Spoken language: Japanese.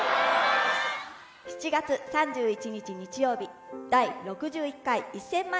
７月３１日、日曜日「第６１回１０００万